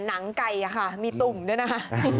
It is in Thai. หนังไก่ค่ะมีตุ่มด้วยนะคะ